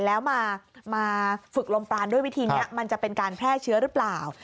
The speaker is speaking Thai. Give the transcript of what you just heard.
แล้วมาฝึกลมปลานด้วยวิธีนี้มันจะเป็นการแพร่เชื้อหรือเปล่า